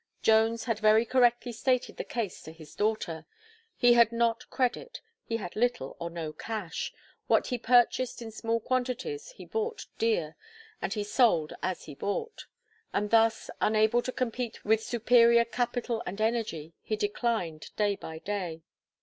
Jones had very correctly stated the case to his daughter he had not credit; he had little or no cash; what he purchased in small quantities, he bought dear; and he sold as he bought. And thus, unable to compete with superior, capital and energy, he declined day by day.